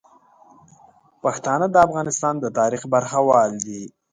پښتانه د افغانستان د تاریخ برخوال دي.